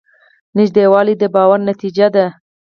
نږدېوالی د باور نتیجه ده.